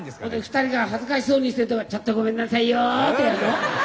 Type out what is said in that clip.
２人が恥ずかしそうにしてるとこ「ちょっとごめんなさいよ」ってやるの？